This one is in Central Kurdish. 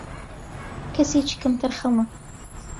کەسێکی کەم تەرخەمە